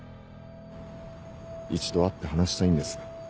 一度会って話したいんです。